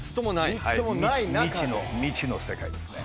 未知の未知の世界ですね。